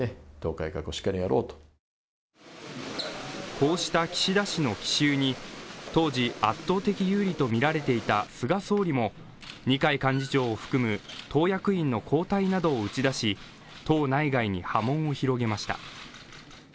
こうした岸田氏の奇襲に、当時圧倒的有利とみられていた菅総理も、二階幹事長を含む党役員の交代などを打ち出し、党内外に波紋を広げました。